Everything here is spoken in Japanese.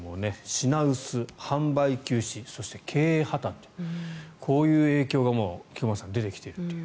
品薄、販売休止そして、経営破たんというこういう影響がもう、菊間さん出てきているという。